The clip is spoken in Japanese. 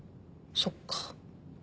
そっか。